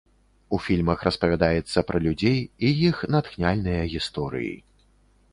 У фільмах распавядаецца пра людзей і іх натхняльныя гісторыі.